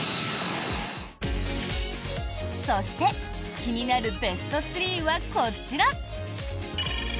そして、気になるベスト３はこちら。